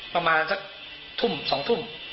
ประมาณสักทุ่ม๒ทุ่ม